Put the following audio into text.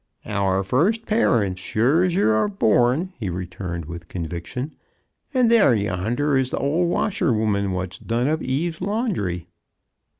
"Our first parents, sure's you are born," he returned with conviction. "And there yender is th' old washerwoman what done up Eve's laundry."